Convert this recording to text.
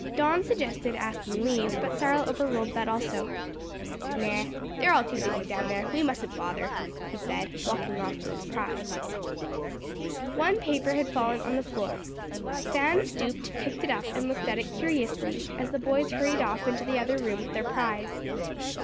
Don suggested asking leave, but Cyril overruled that also. "No; they're all too busy down there; we mustn't bother," he said, walking off with his prize. One paper had fallen on the floor. Fan stooped, picked it up and looked at it curiously, as the boys hurried off into the other room with their prize.